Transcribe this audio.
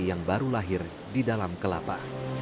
yang baru lahir di dalam kelapa